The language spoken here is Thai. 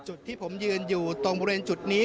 จุดที่ผมยืนอยู่ตรงบริเวณจุดนี้